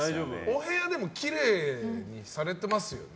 お部屋きれいにされてますよね。